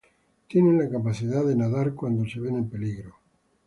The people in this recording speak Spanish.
Tienen la capacidad de nadar cuando se ven en peligro.